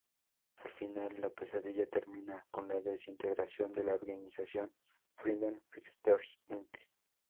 Al fin, la pesadilla termina, con la desintegración de la Organización Freedom Fighters Inc.